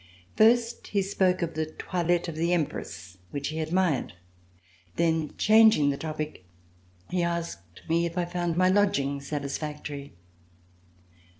First he spoke of the toilette of the Empress which he admired. Then, changing the topic, he asked me if I found my lodging satisfactory.